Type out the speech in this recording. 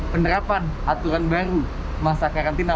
penerapan aturan baru masa karantina